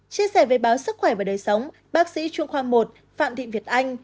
chia sẻ với báo sức khỏe và đời sống bác sĩ trung khoa một phạm thị việt anh